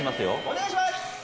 お願いします！